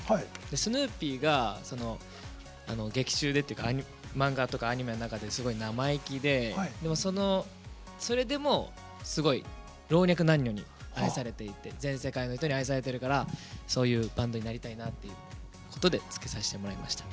スヌーピーが劇中でっていうか漫画とかアニメの中で生意気でそれでも、すごい老若男女に愛されていて全世界の人に愛されているからそういうバンドになりたいなっていうことで付けさせてもらいました。